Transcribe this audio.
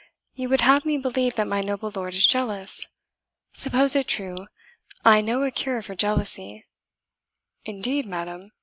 "You would have me believe that my noble lord is jealous. Suppose it true, I know a cure for jealousy." "Indeed, madam?"